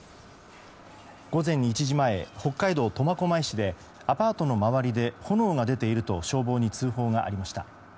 午前１時前、北海道苫小牧市でアパートの周りで炎が出ていると消防に通報がありました。